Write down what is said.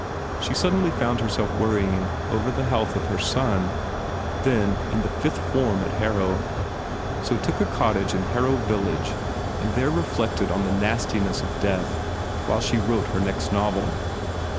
She suddenly found herself worrying over the health of her son, then in the Fifth Form at Har row, so took a cottage in Harrow village and there reflected on the nastiness of death while she wrote her next novel.